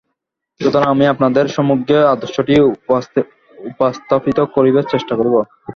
সুতরাং আমি আপনাদের সম্মুখে আদর্শটি উপস্থাপিত করিবার চেষ্টা করিব।